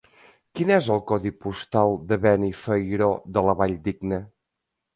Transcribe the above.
Quin és el codi postal de Benifairó de la Valldigna?